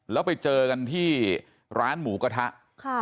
แล้วไปเจอกันที่ร้านหมูกระทะ